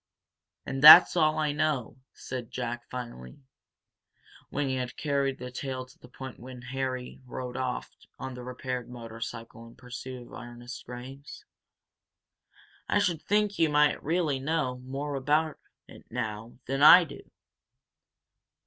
"And that's all I know," said Jack, finally, when he had carried the tale to the point where Harry rode off on the repaired motorcycle in pursuit of Ernest Graves. "I should think you might really know more about it now than I do."